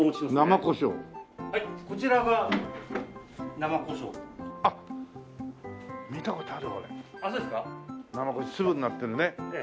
生胡椒粒になってるね。